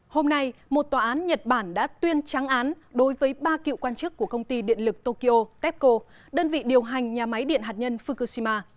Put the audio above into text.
hôm nay một tòa án nhật bản đã tuyên trắng án đối với ba cựu quan chức của công ty điện lực tokyo tepco đơn vị điều hành nhà máy điện hạt nhân fukushima